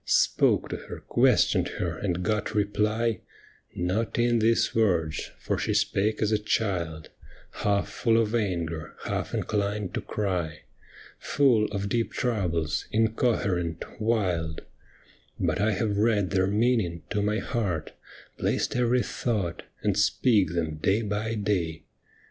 Spoke to her, questioned her, and got reply — Not in these words, for she spake as a child, Half full of anger, half inclined to cry. Full of deep troubles, incoherent, wild. But I hav^ read their meaning to my heart, Placed every thought, and speak them day by day.